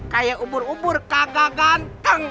kayak ubur ubur kagak ganteng